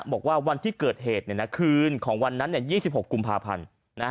บอกว่าวันที่เกิดเหตุคืนของวันนั้น๒๖กุมภาพันธ์